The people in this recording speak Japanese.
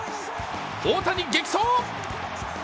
大谷激走！